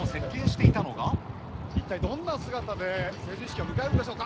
一体どんな姿で成人式を迎えるんでしょうか。